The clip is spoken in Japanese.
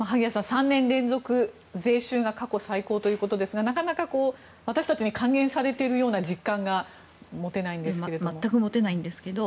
３年連続税収が過去最高ということですがなかなか私たちに還元されているような実感が持てないんですけど。